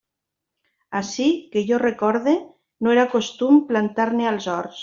Ací, que jo recorde, no era costum plantar-ne als horts.